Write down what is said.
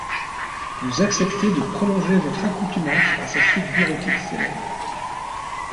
Vous acceptez de prolonger votre accoutumance à sa suite bureautique célèbre.